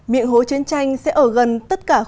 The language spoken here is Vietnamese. miệng hố chiến tranh sẽ ở gần tất cả khu vực